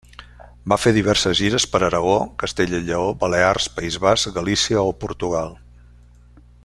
Va fer diverses gires per Aragó, Castella i Lleó, Balears, País Basc, Galícia o Portugal.